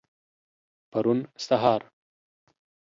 پرون سهار.